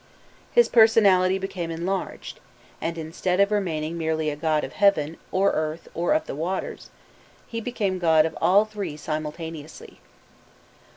His personality became enlarged, and instead of remaining merely a god of heaven or earth or of the waters, he became god of all three simultaneously.